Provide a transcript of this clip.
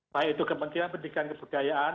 baik itu kementerian pendidikan kebudayaan